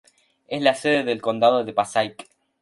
Es la sede del Condado de Passaic.